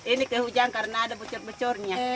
ini kehujan karena ada bucur becurnya